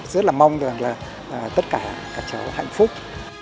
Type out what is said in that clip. rất là mong rằng là tất cả các cháu hạnh phúc